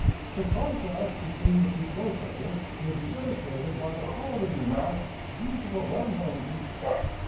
The contrast between the two processes may be illustrated by the following remark due to a well known teacher.